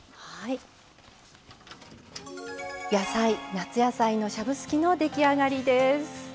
夏野菜のしゃぶすきの出来上がりです。